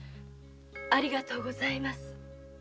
ありがとうございます。